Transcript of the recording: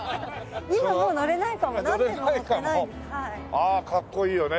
ああかっこいいよね